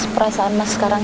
perasaan mas sekarang